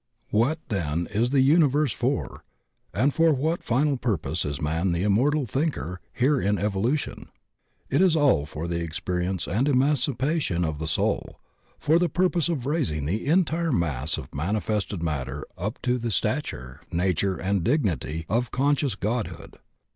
What then is the universe for, and for what final purpose is man the immortal thinker here in evolu tion? It is all for the experience and emancipation of the soul, for the purpose of raising the entire mass of manifested matter up to the stature, nature, and dignity of conscious god hood.